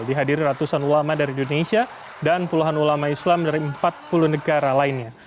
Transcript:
dihadiri ratusan ulama dari indonesia dan puluhan ulama islam dari empat puluh negara lainnya